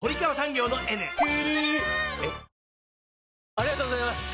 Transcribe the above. ありがとうございます！